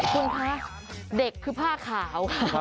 คุณคะเด็กคือผ้าขาว